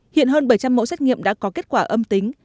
hiện hơn bảy trăm linh mẫu xét nghiệm đã có kết quả âm tính